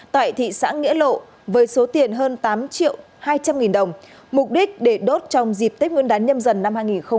tại thị xã nghĩa lộ với số tiền hơn tám triệu hai trăm linh nghìn đồng mục đích để đốt trong dịp tết nguyên đán nhâm dần năm hai nghìn hai mươi